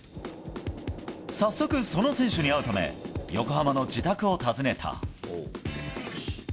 早速、その選手に会うため横浜の自宅を訪ねた。